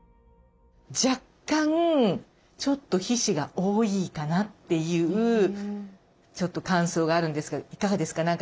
若干ちょっと皮脂が多いかなっていうちょっと感想があるんですがいかがですか？